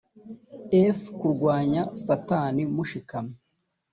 ef kurwanya satani mushikamye